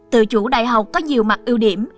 tự chủ đại học có nhiều mặt ưu điểm